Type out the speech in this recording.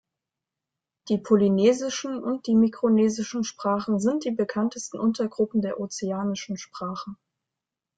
Die polynesischen und die mikronesischen Sprachen sind die bekanntesten Untergruppen der ozeanischen Sprachen.